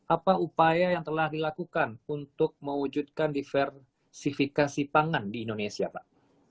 apa upaya yang telah dilakukan untuk mewujudkan diversifikasi pangan di indonesia pak